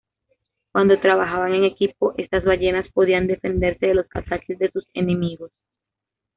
Cuando trabajaban en equipo, estas ballenas podían defenderse de los ataques de sus enemigos.